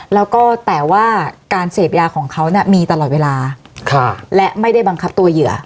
แล้วก็แต่ว่าการเสพยาของเขาเนี่ยมีตลอดเวลาและไม่ได้บังคับตัวเหยื่อ